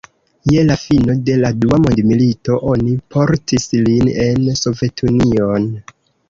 Je la fino de la dua mondmilito oni portis lin en Sovetunion.